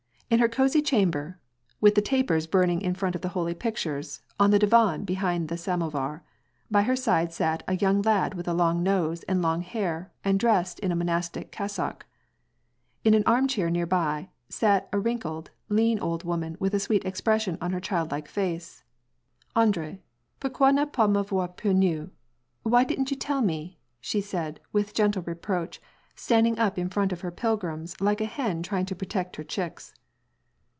In her cosy chamber, with the tapers burning in front of the holy pictures, on the divan behind the samovar, by her side sat a young lad with a long nose and long hair, and dressed in a monastic cas sock. In an arm chair near by sat a wrinkled, lean old woman wHb a sweet expression on her childlike face. ;" AndrS, pourquoi ne pas m' avoir prevenu — why didn't you tell me ?" said she with gentle reproach, standing up in front of her pilgrims like a hen trying to protect her chicks.